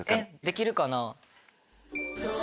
できるかな？